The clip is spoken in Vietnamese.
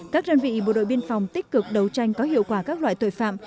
các đơn vị bộ đội biên phòng tích cực đấu tranh có hiệu quả các loại tội phạm